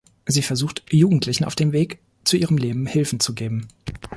Sie versucht, Jugendlichen auf dem Weg zu ihrem Leben Hilfen zu geben.